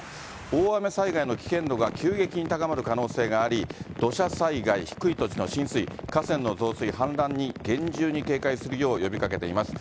大雨災害の危険度が急激に高まる可能性があり、土砂災害、低い土地の浸水、河川の増水、氾濫に厳重に警戒するよう呼びかけています。